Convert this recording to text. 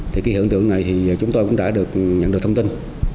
thì cái hiện tượng này thì chúng tôi cũng đã được nhận được thông tin